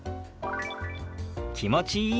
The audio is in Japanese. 「気持ちいい」。